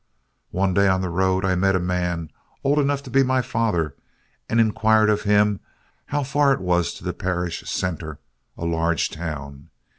One day on the road, I met a man, old enough to be my father, and inquired of him how far it was to the parish centre, a large town.